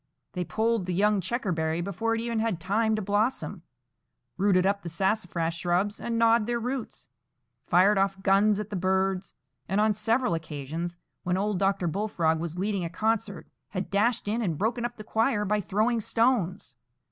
They pulled the young checkerberry before it even had time to blossom, rooted up the sassafras shrubs and gnawed their roots, fired off guns at the birds, and on several occasions, when old Dr. Bullfrog was leading a concert, had dashed in and broken up the choir by throwing stones.